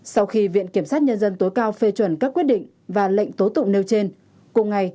sau khi viện kiểm sát nhân dân tối cao phê chuẩn các quyết định và lệnh tố tụng nêu trên cùng ngày